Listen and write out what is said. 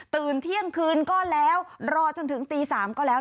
เที่ยงคืนก็แล้วรอจนถึงตี๓ก็แล้ว